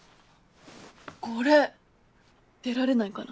これ出られないかな。